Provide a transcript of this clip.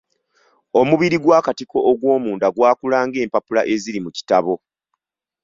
Omubiri gw'akatiko ogw'omunda gwakula ng'empapula eziri mu kitabo.